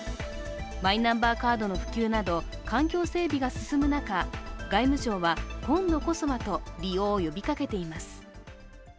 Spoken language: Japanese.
マイナンバーカードの普及など環境整備が進む中外務省は今度こそはと利用を呼びかけています。